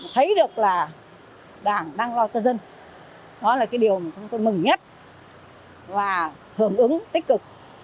thấy được là đảng đang lo cho dân đó là cái điều mà chúng tôi mừng nhất và hưởng ứng tích cực